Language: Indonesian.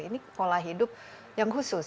ini pola hidup yang khusus